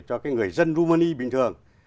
của người dân rumani bình thường